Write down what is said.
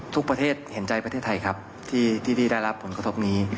ทุกประเทศเห็นใจประเทศไทยครับที่ได้รับผลกระทบนี้